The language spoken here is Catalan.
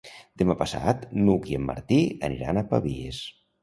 Demà passat n'Hug i en Martí aniran a Pavies.